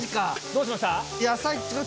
どうしました？